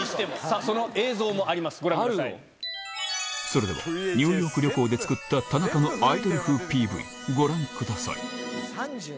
その映像もあります、ご覧くそれでは、ニューヨーク旅行で作った田中のアイドル風ＰＶ、ご覧ください。